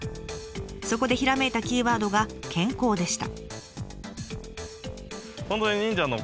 そこでひらめいたキーワードが「健康」でした。